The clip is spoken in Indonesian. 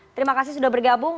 terima kasih sudah bergabung